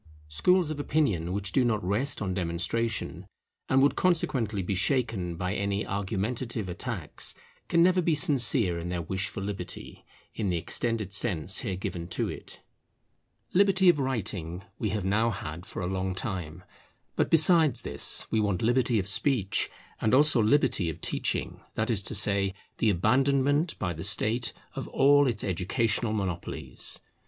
Schools of opinion which do not rest on demonstration, and would consequently be shaken by any argumentative attacks, can never be sincere in their wish for Liberty, in the extended sense here given to it. Liberty of writing we have now had for a long time. But besides this we want liberty of speech; and also liberty of teaching; that is to say, the abandonment by the State of all its educational monopolies.